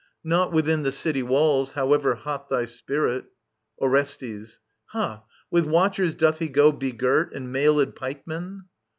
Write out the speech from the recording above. Not Within the city walls, however hot Thy spirit. Orestes. Ha ! With watchers doth he go Begirt) and mailed pikemen